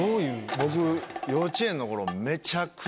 僕幼稚園の頃。